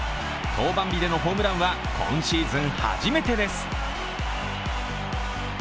登板日でのホームランは、今シーズン初めてです。